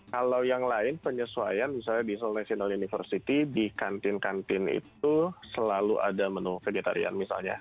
kalau yang lain penyesuaian misalnya di seoul national university di kantin kantin itu selalu ada menu vegetarian misalnya